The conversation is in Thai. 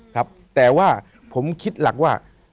ครับแต่ว่าผมคิดหลักว่า